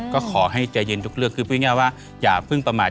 ก็ขอให้ใจเย็นทุกเรื่องคือพูดง่ายว่าอย่าเพิ่งประมาท